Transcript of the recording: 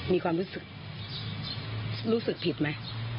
มีความรู้สึกรู้สึกผิดไหม